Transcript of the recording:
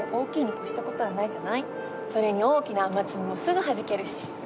それに大きな雨粒もすぐはじけるし。